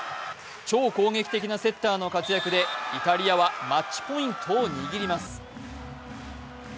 超攻撃的なセッターの活躍でイタリアはマッチポイントを握ります。